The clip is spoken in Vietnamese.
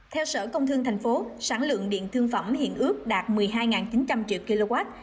theo sở công thương tp sản lượng điện thương phẩm hiện ước đạt một mươi hai chín trăm linh triệu kwh